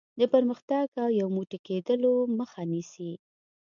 د پرمختګ او یو موټی کېدلو مخه نیسي.